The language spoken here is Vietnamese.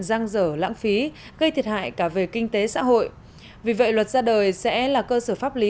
giang dở lãng phí gây thiệt hại cả về kinh tế xã hội vì vậy luật ra đời sẽ là cơ sở pháp lý